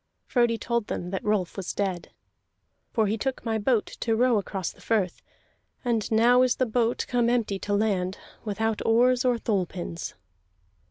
Frodi told them that Rolf was dead. "For he took my boat to row across the firth, and now is the boat come empty to land, without oars or thole pins."